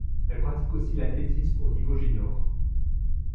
Elle pratique aussi l'athlétisme au niveau junior.